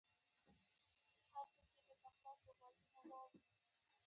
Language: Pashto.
د عکس بڼه مې بدله کړه.